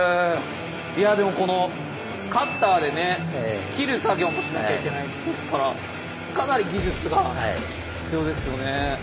いやでもこのカッターでね切る作業もしなきゃいけないですからかなり技術が必要ですよね。